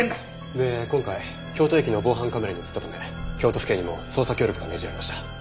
で今回京都駅の防犯カメラに映ったため京都府警にも捜査協力が命じられました。